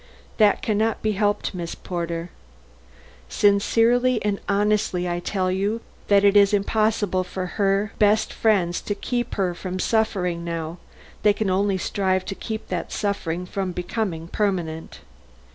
That can not be helped, Miss Porter. Sincerely and honestly I tell you that it is impossible for her best friends to keep her from suffering now; they can only strive to keep that suffering from becoming permanent."